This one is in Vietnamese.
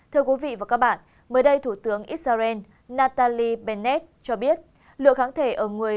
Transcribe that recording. thưa quý vị và các bạn mới đây thủ tướng israel nataly benet cho biết lượng kháng thể ở người